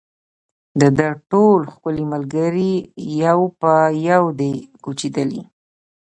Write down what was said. د ده ټول ښکلي ملګري یو په یو دي کوچېدلي